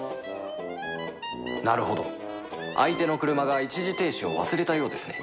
なるほど相手の車が一時停止を忘れたようですね